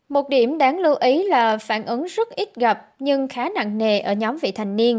một điểm đáng lưu ý là phản ứng rất ít gặp nhưng khá nặng nề ở nhóm vị thành niên